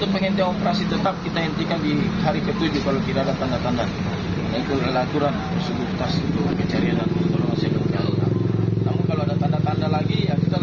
dan penghentian operasi sar masih akan dievaluasi